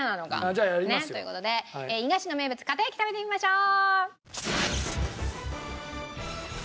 じゃあやりますよ。という事で伊賀市の名物かた焼食べてみましょう。